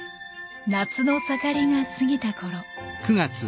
夏の盛りが過ぎたころ。